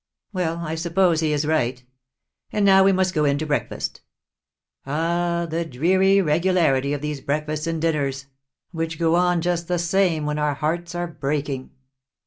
"Well, I suppose he is right. And now we must go in to breakfast. Ah, the dreary regularity of these breakfasts and dinners, which go on just the same when our hearts are breaking!"